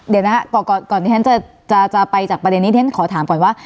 เดี๋ยวนะครับก่อนที่ท่านจะไปจากประเด็นนี้ท่านจะขอถามก่อนว่า